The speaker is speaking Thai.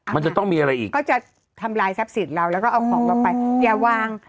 มันจะต้องมีอะไรอีกก็จะทำลายทรัพย์สินเราแล้วก็เอาของเราไปอย่าวาง